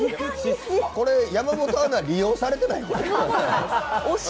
山本アナ利用されてない？